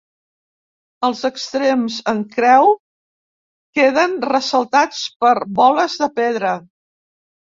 Els extrems en creu queden ressaltats per boles de pedra.